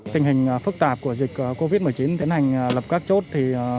tình hình phức tạp của dịch covid một mươi chín tiến hành lập các chốt